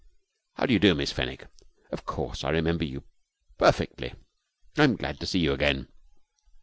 'How do you do, Miss Fenwick. Of course, I remember you perfectly. I'm glad to see you again.'